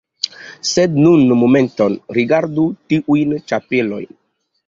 Sed nun momenton rigardu tiujn ĉapelojn!